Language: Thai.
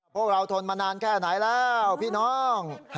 พวกเราทนมานานแค่ไหนแล้วพี่น้อง